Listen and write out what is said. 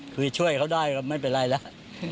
คือช่วยเขาได้ก็ไม่เป็นไรแล้ว